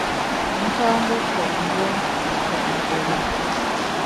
Wu ka mbe kùot nguon wu kùot njuop i.